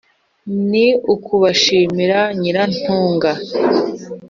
ni ukubashimira nyiratunga